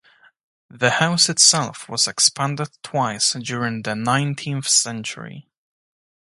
The house itself was expanded twice during the nineteenth century.